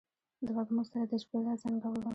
د وږمو سره، د شپې لاس زنګولم